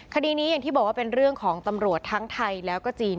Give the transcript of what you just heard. คดีนี้อย่างที่บอกว่าเป็นเรื่องของตำรวจทั้งไทยแล้วก็จีน